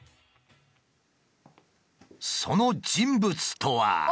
その人物とは。